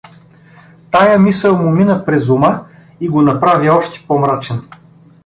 Тая мисъл му мина през ума и го направи още по-мрачен.